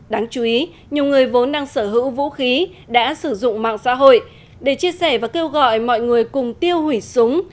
đáng chú ý nhiều người vốn đang sở hữu vũ khí đã sử dụng mạng xã hội để chia sẻ và kêu gọi mọi người cùng tiêu hủy súng